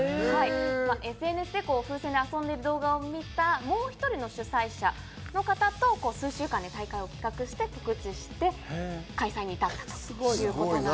ＳＮＳで遊んでいるのを見た、もう１人の主催者と数週間で大会を企画して、告知して大会にいたったということです。